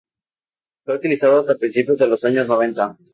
Fue utilizado hasta principios de los años noventa.